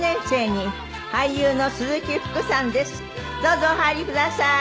どうぞお入りください。